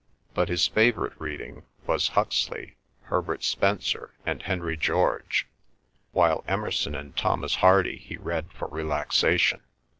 But his favourite reading was Huxley, Herbert Spencer, and Henry George; while Emerson and Thomas Hardy he read for relaxation.